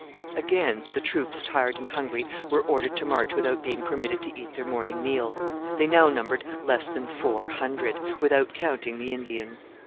Again the troops, tired and hungry, were ordered to march without being permitted to eat their morning meal. They now numbered less than four hundred, without counting the Indians.